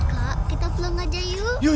kak kita pulang aja yuk